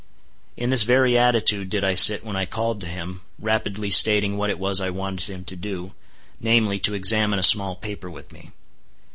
In this very attitude did I sit when I called to him, rapidly stating what it was I wanted him to do—namely, to examine a small paper with me.